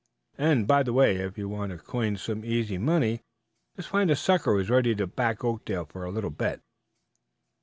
And, by the way, if you want to coin some easy money, just find a sucker who is ready to back Oakdale for a little bet."